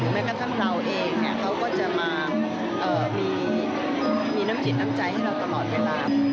แม้กระทั่งเราเองเขาก็จะมามีน้ำจิตน้ำใจให้เราตลอดเวลา